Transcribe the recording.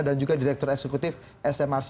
dan juga direktur eksekutif smrc